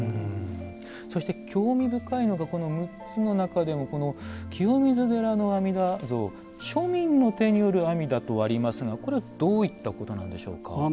そして興味深いのがこの６つの中でもこの清水寺の阿弥陀堂庶民の手による阿弥陀とありますがこれはどういったことなんでしょうか。